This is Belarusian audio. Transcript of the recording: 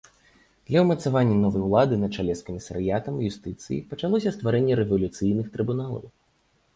Для ўмацавання новай улады на чале з камісарыятам юстыцыі пачалося стварэнне рэвалюцыйных трыбуналаў.